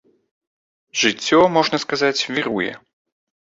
Жыццё, можна сказаць, віруе.